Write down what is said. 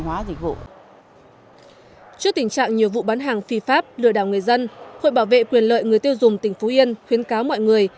trước tình trạng nhiều vụ bán hàng phi pháp lừa đảo người dân hội bảo vệ quyền lợi người tiêu dùng tỉnh phú yên khuyến cáo mọi người